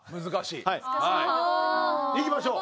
いきましょう。